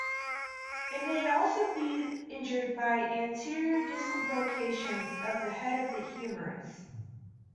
It may also be injured by anterior dislocation of the head of the humerus.